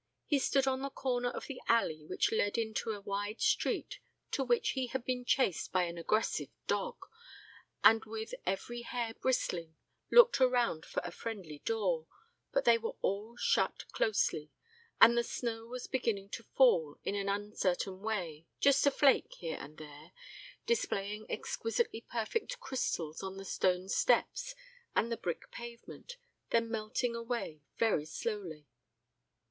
He stood on the corner of the alley which led into a wide street to which he had been chased by an aggressive dog, and with every hair bristling, looked around for a friendly door, but they were all shut closely; and the snow was beginning to fall, in an uncertain way, just a flake here and there, displaying exquisitely perfect crystals on the stone steps and the brick pavement, then melting away very slowly.